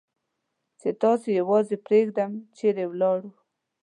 چې تاسې یوازې پرېږدم، چېرې ولاړ؟